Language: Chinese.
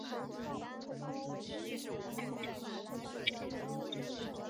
短齿爪哇假糙苏为唇形科假糙苏属下的一个变种。